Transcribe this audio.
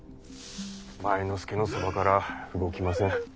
前之助のそばから動きません。